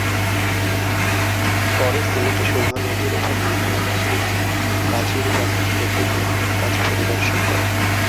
পরে সিলেটে সুরমা নদীর ওপর নির্মাণাধীন কাজিরবাজার সেতুর নির্মাণকাজ পরিদর্শন করেন।